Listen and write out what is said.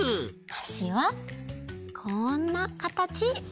はしはこんなかたち！